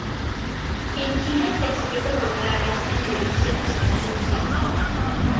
En Chile se exhibió por primera vez en Televisión Nacional de Chile.